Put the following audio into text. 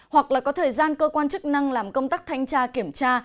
hoặc là có thời gian cơ quan chức năng làm công tác thanh tra kiểm tra